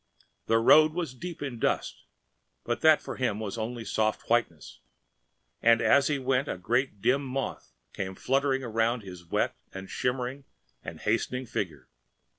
The road was deep in dust, but that for him was only soft whiteness, and as he went a great dim moth came fluttering round his wet and shimmering and hastening figure.